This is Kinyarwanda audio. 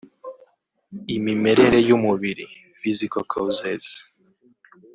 Imimerere y’ umubiri (physical causes)